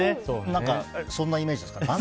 何かそんなイメージですか？